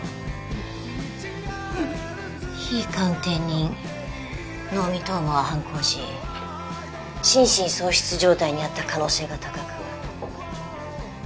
被鑑定人能見冬馬は犯行時心神喪失状態にあった可能性が高く。